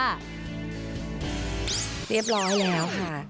เรียบร้อยแล้วค่ะ